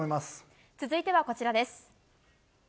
続いてはこちら。